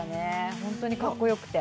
本当にかっこよくて。